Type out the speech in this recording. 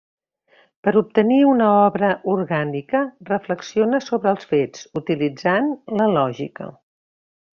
Per obtenir una obra orgànica reflexiona sobre els fets, utilitzant la lògica.